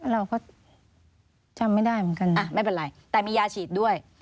เราก็จำไม่ได้เหมือนกันไม่เป็นไรแต่มียาฉีดด้วย